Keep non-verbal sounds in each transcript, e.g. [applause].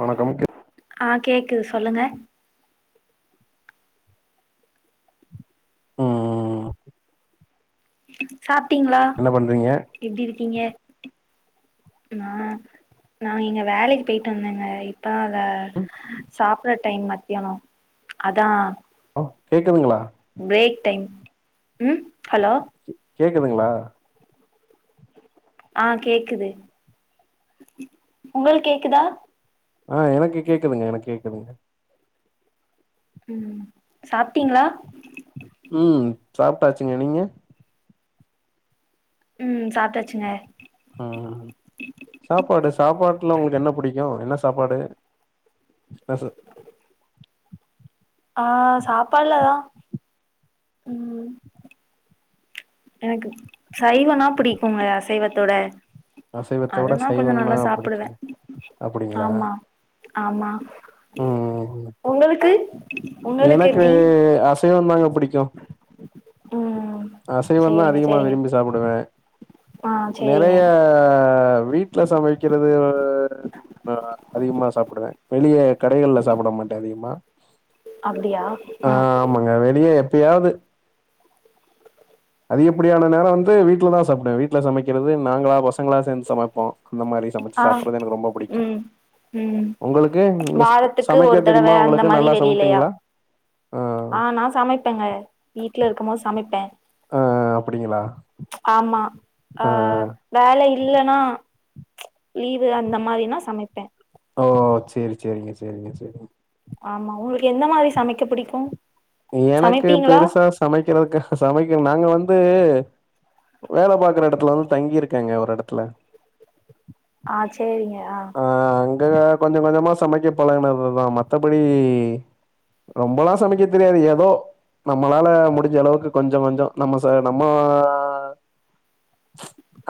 வணக்கம் ஆ கேக்குது சொல்லுங்க ம் சாப்ட்டீங்ளா என்ன பண்றீங்க எப்டி இருக்கீங்க நா நா இங்க வேலைக்கு போயிட்டு வந்தேங்க இப் டாவ ம் சாப்ற டைம் மத்யாலோ அதா ஒ கேக்குதுங்களா ப்ரேக் டைம் ம் ஹலோ கே கேக்குதுங்ளா ஆ கேக்குது உங்கள் கேக்குதா ஆ எனக்கு கேக்குதுங்க எனக் கேக்குதுங்க ம் சாப்பிட்டீங்களா ம் சாப்ட்டாச்சுங்க நீங்க ம் சாப்ட்டாச்சுங்க ஹும் சாப்பாடு சாப்பாட்ல உனக்கு என்ன புடிக்யு என்ன சாப்பாடு பேச ஆ சாப்பால்லதா ம் எனக்கு சைவன்னா பிடிக்குங்க அசைவத்தோட அசைவத்த விட அதுனா கொஞ்ச சைவம்னா நல்லா சாப்பிடுவ புடிக்குங்க அப்டிங்களா ஆமா ஆமா ம் உங்களுக்கு உங்களுக்கு எப்டி சைவந்தாங்க புடிக்கு ம் அசைவந்தா சேரிங்க அதிகமா சேரிங்க விரும்பி சாப்டுவே ஆ சேரிங்க நெறைய வீட் வீட்ல சமைக்கிறது ஆ அதிகமா சாப்டுவே வெளிய கடைகள்ல சாப்ட மாட்ட அதிகமா அப்டியா ஆ ஆமாங்க வெளிய எப்பயாவது அதிகப்படியான நேர வந்து வீட்ல தா சாப்டுவே வீட்ல சமைக்கிறது நாங்களா பசங்களா சேந்து சமப்போ அந்த மாரி சமைச்சு ஆ சாப்புறது எனக்கு ரொம்ப புடிக்கு ம் ம் உங்களுக்கு நீங்க ச வாரத்துக்கு ஒரு சமைக்க தடவ தெரியுமா அந்த உங்களுக்கு மாரி நல்லா வெளிலயா சமப்பீங்களா ஆ நா சமைப்பேங்க வீட்ல இருக்கும் போது சமைப்பே ஆ அப்டிங்களா ஆமா ஆ வேல இல்லன்னா லீவு அந்த மாரின்னா சமைப்பே ஓ சேரி சேரிங்க சேரிங்க சேரிங்க ஆமா உங்களுக்கு எந்த மாரி சமைக்க புடிக்கு எனக்கு சமைப்பீங்களா பெருசா சமைக்கிறதுக்கு சமைக்க நாங்க வந்து வேல பாக்குற எடத்துல வந்து தங்கிருக்கேங்க ஒரு எடத்துல ஆ சேரிங்க ஆ ஆ அங்க கொஞ்ச கொஞ்சமா சமைக்க பழகுனதுதா மத்தபடி ரொம்பலா சமைக்க தெரியாது ஏதோ நம்மளால முடிஞ்சளவுக்கு கொஞ்ச கொஞ்ச நம்ம ச நம்ம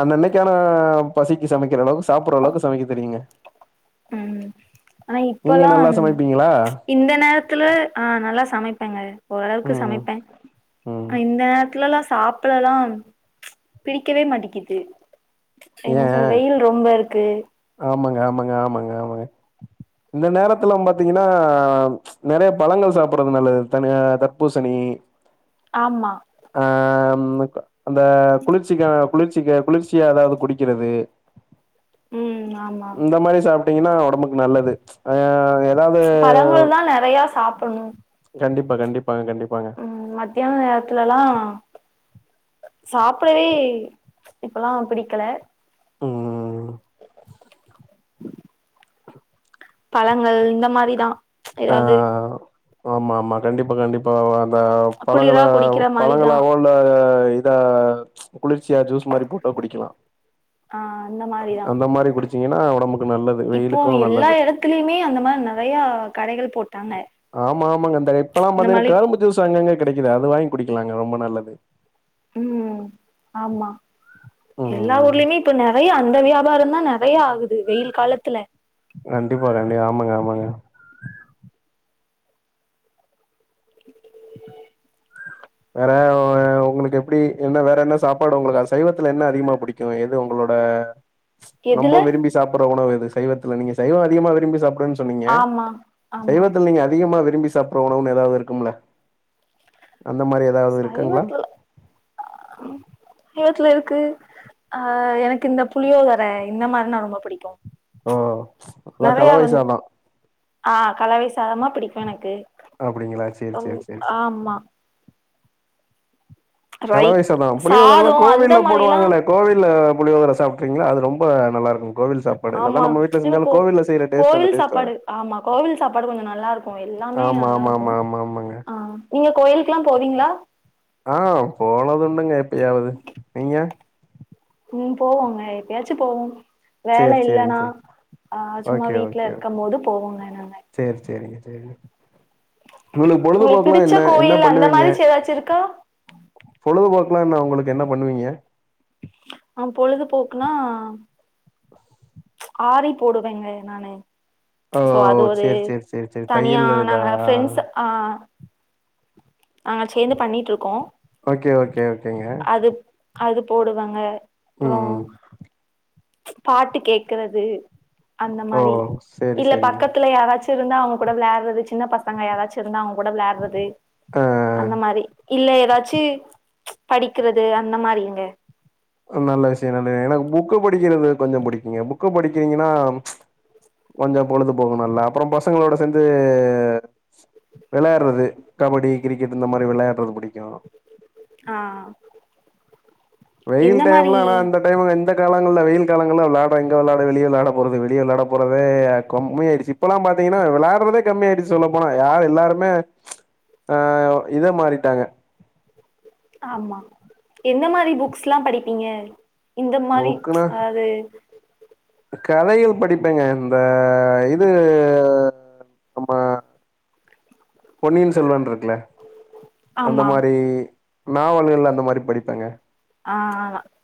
அன்னன்னைக்கான பசிக்கு சமைக்கிற அளவுக்கு சாப்புற அளவுக்கு சமைக்க தெரியுங்க ம் ஆனா நீங்க இப்பல்லா நல்லா சமைப்பீங்களா இந்த நேரத்துல ஆ நல்லா சமைப்பேங்க ஓரளவுக்கு ம் சமைப்பே ம் இந்த நேரத் ட்லல்லாம் சாப்டலா பிடிக்கவே மாட்டிங்கிது ஏ என்ன ஆ வெயில் ரொம்ப இருக்கு ஆமாங்க ஆமாங்க ஆமாங்க ஆமாங்க இந்த நேரத்துலனு பாத்தீங்கன்னா நெறைய பழங்கள் சாப்புறது நல்லது தனிய தர்பூசணி ஆமா ஆ அந்த குளிர்ச்சிக்காக குளிர்ச்சிக்கு குளிர்ச்சியா ஏதாவது குடிக்கிறது ம் ஆமா இந்த மாரி சாப்ட்டீங்கன்னா ஒடம்புக்கு நல்லது ஆ ஏதாவது பழங்கள் தா நெறைய சாப்புட்ணு கண்டிப்பா கண்டிப்பாங்க கண்டிப்பாங்க ம் மத்தியான நேரத்துலல்லா சாப்டவே இப்பல்லா பிடிக்கல ம் பழங்கள் இந்த மாரிதா ஆ எதாவது ஆமா ஆமா கண்டிப்பா கண்டிப்பா அந்த பழங்கள குளிரா குடிக்கிற மாரிதா பழங்களாவோ இல்ல இதா குளிர்ச்சியா ஜூஸ் மாரி போட்டோ குடிக்கலா. ஆ அந்த மாரிதா அந்த மாரி குடிச்சீங்கன்னா ஒடம்புக்கு நல்லது வெயிலுக்கு நல்லது அத்துலயுமே அந்த மாரி நெறைய கடைகள் போட்டாங்க ஆமா ஆமாங்க இந்த இப்பெல்லா இந்த பாத்தீங்கன்னா மாரி கரும்பு ஜீஸ்சு அங்க அங்க கெடைக்குது அது வாங்கி குடிக்கலாங்க ரொம்ப நல்லது ம் ஆமா எல்லா ம் ஊர்லயுமே இப்ப நெறையா அந்த வியாபாரோதா நெறையா ஆகுது வெயில் காலத்துல கண்டிப்பா கண்டிப்பா ஆமாங்க ஆமாங்க வேற ஒ ஏ உங்களுக்கு எப்டி என்ன வேற என்ன சாப்பாடு உங்களுக்கு அ சைவத்துல என்ன அதிகமா புடிக்கு எது உங்களோட எதுல ரொம்ப விரும்பி சாப்பட்ற உணவு எது சைவத்துல நீங்க சைவொ அதிகமா விரும்பி சாப்பட்றன் சொன்னீங்க. ஆமா ஆமா சைவத்துல நீங்க அதிகமா விரும்பி சாப்பற உணவு எதாவுது இருக்கும்ல அந்த மாரி எதா சைவத்துல ஆ இயட்ல இருக்கு. ஆ எனக்கு இந்த புளியோதர இந்த மாரினா ரொம்ப புடிக்கு. ஓ எல்லா கலவை சாதோ ஆ கலவைசாதமா புடிக்கு எனக்கு அப்டிங்களா சேரி ஓ சேரி சேரி சேரி ஆமா ரை கலவைசாதோ புளியோதரல்லா சாதோ அந்த கோவில்ல மாரிலா போடுவாங்களே கோவில்ல புளியோதர சாப்ட்றீங்களா அது ரொம்ப நல்லாருக்கு கோவில் சாப்பா ஆமா எனக்கு அந்த கோவில் டேஸ்ட் சாப்பாடு வராது ஆமா கோவில் சாப்பாடு கொஞ்சோ நல்லாருக்கு ஓ எல்லாமே ஆமா ஆமா நல்லாருக்கு ஆமா ஆமா ஆமாங்க ஆ நீங்க கோயிலுக்ல்லா போவீங்ளா ஆ போனதுண்டுங்க எப்பயாவ்து நீங்க ம் போவோங்க எப்பயாச்சு போவோ வேல சேரி சேரிங்க இல்லன்னா. சேரி அ சும்மா வீட்ல இருக்கு போது போவோங்க நாங்க செர் செரிங்க செரிங்க உங்களுக்கு பொழுதுபோக்குலா பிடிச்ச என்ன என்ன கோயில் அந்த பண்ணுவீங்க மாரி ஏதாச்சு இருக்கா பொழுதுபோக்குலா என்ன உங்களுக்கு என்ன பண்ணுவீங்க ஆ பொழுதுபோக்குனா ஆரி போடுவேங்க நானு ஓ சோ அது ஒரு சேரி சேரி சேரி சேரி தையல் தனியான நாங்க இதா ஃப்ரெண்ட்ஸ் ஆ ஆ சேந்து பண்ணிட்ருக்கோ. ஓகே ஓகே ஓகேங்க அது அது போடுவங்க அப்ற ம் ம். பாட்டு கேக்குறது அந்த ஓ! மாரி சரி இல்ல சரிங்க. பக்கத்துல யாராச்சு இருந்தா அவ்ங்க கூட வெளாட்றது சின்ன பசங்க யாராச்சு இருந்தாங்க கூட வெளாட்றது ஆ அந்த மாரி இல்ல எதாச்சு படிக்றது அந்த மாரிங்க நல்ல விஷய நல்ல எனக் புக்கு படிக்றது கொஞ்சோ புடிக்குங்க புக்கு படிக்கிறீங்கனா கொஞ்சோ பொழுது போகு நல்லா அப்பற பசங்களோட சேந்து வெளாட்றது கபடி கிரிக்கெட் இந்த மாரி வெளாட்றது புடிக்கு. ஆ வெயில் எந்த மாரி டைம்ல ஆனா அந்த டைம்ல இந்த காலங்கள்ல வெயில் காலங்கள்ல வெளாட எங்க வெளாட வெளிய வெளாட போறது வெளிய வெளாட போறது கொம்மி ஆய்டுச்சு இப்பெல்லா பாத்தீங்கன்னா வெளாட்றதே கம்மி ஆயிடுச்சு சொல்ல போனா யாரு எல்லாருமே ஆ இதா மாறீட்டாங்க ஆமா எந்த மாரி புக்ஸ்ல்லா படிப்பீங்க இந்த மாரி புக்குனா அதாது கதையு படிப்பேங்க இந்த இது நம்ம பொன்னியின் செல்வன் இருக்குல அந்த ஆமா மாரி நாவல்கள் அந்த மாரி படிப்பேங்க ஆ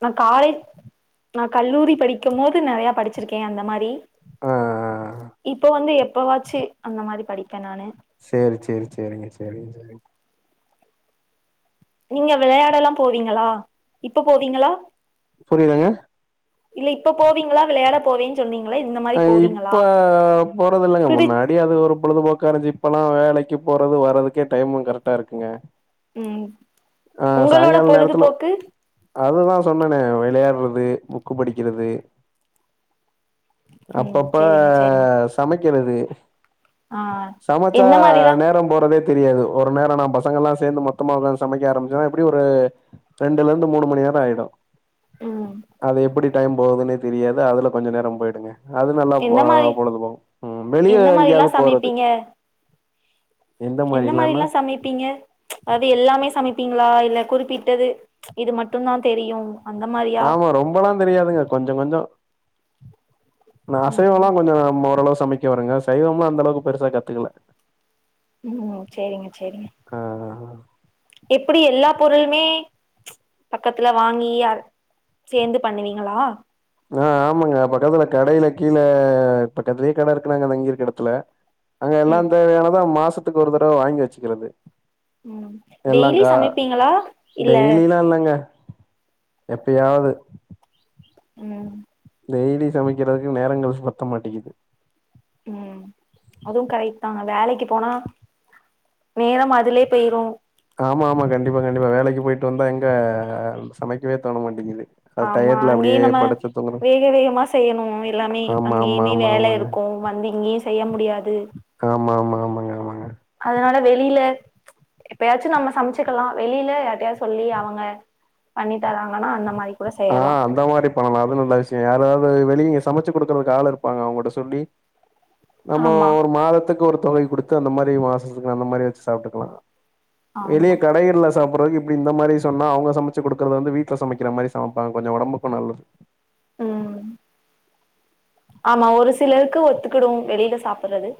நா காலேஜ் நா கல்லூரி படிக்கும் போது நிறைய படிச்சிருக்கே அந்த மாரி ஆ ஆ ஆ இப்போ வந்து எப்பவாச்சு அந்த மாரி படிப்பேன் நானு சேரி சேரி சேரிங்க சேரிங்க சேரிங்க நீங்க விளையாடல்லா போவீங்களா இப்ப போவீங்களா புரியலங்க இல்ல இப்ப போவீங்களா விளையாட போவீ சொன்னுங்களே இந்த மாரி ஆ போவீங்களா இப்ப போறது இல்லங்க பிடி முன்னாடி டி அது ஒரு பொழுதுபோக்கா இருஞ்சு இப்பெல்லா வேலைக்கு போறது வர்றதுக்கே டைமும் கரெக்டா இருக்குங்க உம் ஆ சாயிங்கால நேரத்துல அதுதா சொன்னனே விளையாடுறது புக்கு படிக்கிறது ம் அப்பப்ப சேரிங்க சேரிங்க சமைக்குறது ஆ சமச்சா எந்த மாரிலா நேரம் போறதே தெரியாது ஒரு நேரம் நா பசங்கல்லா சேர்ந்து மொத்தமா சமைக்க க ஆரம்பச்சன்னா எப்படி ஒரு ரெண்டுல இருந்து மூணு மணி நேரம் ஆயிடும் ம் அது எப்படி டைம் போகுதுன்னே தெரியாது அதுல கொஞ்சோ நேரம் போயிடுங்க அது நல்லா எந்த மாரி பொழுதுபோகும் உம் வெளிய எந்த மாரிலா எங்கேயாவது போறது சமைப்பீங்க எந்த மாரில்லா சமைப்பீங்க அது எல்லாமே சமைப்பீங்களா இல்ல குறிப்பிட்டது இது மட்டும் தா தெரியும் ஆமா ரொம்பல்லா தெரியாதுங்க கொஞ்சம் கொஞ்சம் நா ம் அசைவல்லா கொஞ்சம் நம்ம ஓரளவு சமைக்க வருங்க சைவம்லா அந்த அளவுக்கு பெருசா கத்துக்கல ம் சேரிங்க சேரிங்க அ அ அ எப்படி எல்லா பொருளுமே பக்கத்துல வாங்கி அ சேர்ந்து பண்ணுவீங்களா ஆ ஆமாங்க பக்கத்துல கடையில கீழ பக்கத்துலே கடை இருக்குனாங்க அ தங்கிருக்குற இடத்துல அங்க எல்லா ம் தேவையானத மாசத்துக்கு ஒரு தடவ வாங்கி வச்சுக்கிறது ம் எல்லா டெய்லி கா சமைப்பீங்களா இல்ல டெய்லில்லா இல்லங்க எப்பயாவது உம் டெய்லி சமைக்கிறதுக்கு நேரங்கள் பத்த மாட்டேக்குது உம் அதுவு கரெக்ட் தா வேலைக்கு போனா நேரம் அதுலே போயிரும் ஆமா ஆமா கண்டிப்பா கண்டிப்பா வேலைக்கு போயிட்டு வந்தா எங்க சமைக்கவே தோன மாட்டிங்குது ஆமா அங்கயு நம்ம வேக வேகமா செய்யணு எல்லாமே ஆமா ஆமா அங்கேயுமே ஆமா வேலை ஆமாங்க இருக்கும் வந்து இங்கேயு செய்ய முடியாது ஆமா ஆமா ஆமாங்க ஆமாங்க அதனால வெளியில எப்பயாச்சும் நம்ம சமைச்சுக்கலா வெளியில யார்ட்டையா சொல்லி அவுங்க பண்ணி தராங்கன்னா அந்த மாரி ஆ அந்த மாரி பண்ணலா அது நல்ல விஷயம் யாராவது வெளிய இங்க சமச்சு குடுக்குறதுக்கு ஆள் இருப்பாங்க அவுங்கட்ட சொல்லி நம்ம ஆமா ஒரு மாதத்துக்கு ஒரு தொகை குடுத்து அந்த மாரி மாசத்துக்கு அந்த மாரி வச்சு சாப்ட்டுக்கலா வெளிய ஆமா கடைகள்ல சாப்புறதுக்கு இப்டி இந்த மாரி சொன்னா அவங்க சமைச்சு குடுக்குறது வந்து வீட்ல சமைக்கிற மாரி சமைப்பாங் கொஞ்சோ ஒடம்புக்கு நல்லது ம் ஆமா ஒரு சிலருக்கு ஒத்துக்குடு வெளில சாப்புறது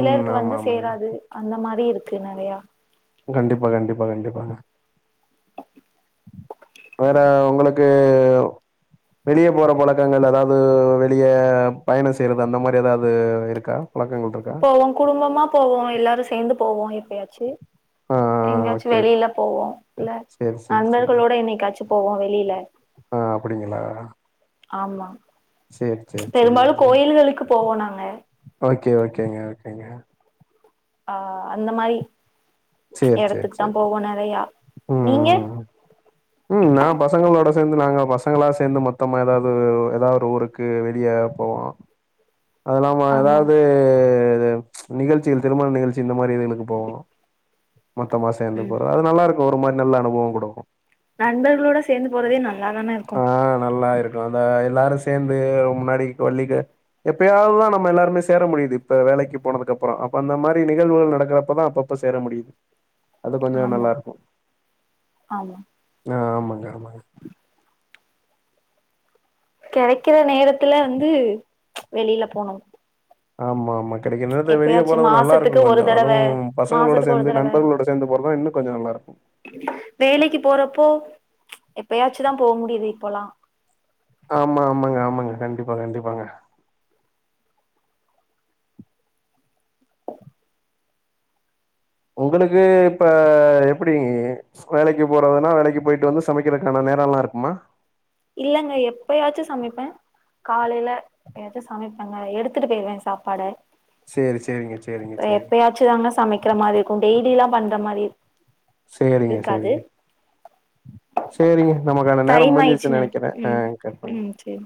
ம் ஆமா வந்து ஆமாங்க சேராது அந்த மாரி இருக்கு நெறையா கண்டிப்பா கண்டிப்பா கண்டிப்பாங்க வேற உங்களுக் ஏ வெளிய போற பழக்கங்கள் அதாது வெளிய பயணோ செய்றது அந்த மாரி எதாது இருக்கா பழக்கங்கள் இருக்கா போவோ குடும்பமா போவோ எல்லாரு சேந்து போவோ எப்பயாச்சு ஆ எங்காச்சு ஓகே, ஓகே. வெளில போவோ இல்ல சரி, சரி, சரி. நண்பர்களோட என்னைக்காச்சு போவோ வெளில ஆ அப்டிங்களா ஆமா சரிங்க, பெரும்பாலு சரிங்க. கோயில்களுக்கு போவோ நாங்க ஓகே ஓகேங்க ஓகேங்க ஆ அந்த மாரி சரி, சரி, எடத்துக்கு தா சரி. போவோ நறையா நீங்க ம். ம் நா பசங்களோட சேந்து நாங்க பசங்களா சேந்து மொத்தமா எதாது எதா ஒரு ஊருக்கு வெளிய போவோ அதுல்லாம ஆமா எதாவது இது நிகழ்ச்சிகள் திருமண நிகழ்ச்சி இந்த மாரி இதுகளுக்கு போவோ மொத்தமா சேந்து ம் போற அது நல்லாருக் போற மாரி நல்ல அனுபவோ குடுக்கும் நண்பர்களோட சேந்து போறதே நல்ல ஆ நல்லா இருக்கு அந்த எல்லாரு சேந்து முன்னாடி [inaudible] எப்பயாவது தா நம்ம எல்லாருமே சேர முடியுது இப்ப வேலைக்கு போனதுக்கு அப்றோ அப்ப அந்த மாரி நிகழ்வுகள் நடக்குறப்ப தா அப் ப்ப சேர முடியு ஆமா ஆமா ஆ ஆமாங்க ஆமாங்க கெடைக்கற நேரத்துல வந்து வெளில போனு ஆமா ஆமாங் கெடைக்கற நேரத்துல வெளிய எப்பயாச்சு போறது நல்லாருக்கு மாசத்துக்கு ஒரு கொஞ்சோ தடவ அதுவு பசங்களோட மாசத்துக்கு ஒரு சேந்து நண்பர்களோட சேந்து போறதுதா இன்னு கொஞ்சோ நல்லாருக்கு வேலைக்கி போறப்போ எப்பயாச்சு தா போக முடியுது இப்பலா ஆமா ஆமாங்க ஆமாங்க கண்டிப்பா கண்டிப்பாங்க உங்குளுக்கு இப்ப எப்டி ஸ்கூ வேலைக்கு போறதுன்னா வேலைக்கு போயிட்டு வந்து சமைக்கறக்கான நேரலா இருக்குமா இல்லங்க எப்பயாச்சு சமைப்பே காலைல எதாச்சு சமைப்பங்க எடுத்துட்டு பேயிருவேங் சாப்பாடு சேரி சேரிங்க சேரிங்க சேரிங்க யாச்சு தாங்க சமைக்கிற மாரி இருக்கு டெய்லிலா பண்ற மாரி சேரிங்க இருக்காது சேரிங்க சேரிங்க நமக்கான நேரோ டைம் முடிஞ்சிர்ச்சினு ஆயிடுச்சு நெனைக் நெனைக்கிறே ஆ ம் கட் பண்ணி ம் சேரி